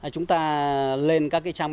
chúng ta lên các trang web